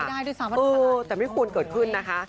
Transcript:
เออแต่ไม่ควรเกิดขึ้นนะคะ